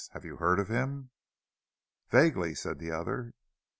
Have you heard of him?" "Vaguely," said the other.